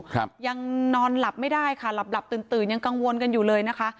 ครับยังนอนหลับไม่ได้ค่ะหลับหลับตื่นตื่นยังกังวลกันอยู่เลยนะคะ